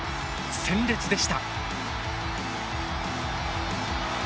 鮮烈でした。